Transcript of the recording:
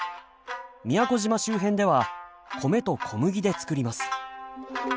宮古島周辺では米と小麦で作ります。